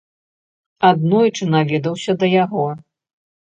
Аднойчы наведаўся да яго.